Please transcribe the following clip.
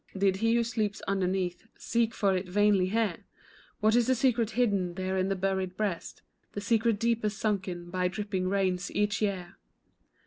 Did he who sleeps underneath seek for it vainly here? What is the secret hidden there in the buried breast, The secret deeper sunken by dripping rains each year.